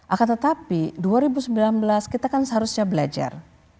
akan tetapi dua ribu sembilan belas kita kan seharusnya belajar